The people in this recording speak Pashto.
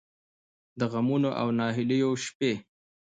د غمـونـو او نهـيليو شـپې